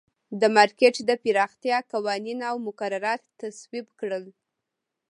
د مارکېټ د پراختیا قوانین او مقررات تصویب کړل.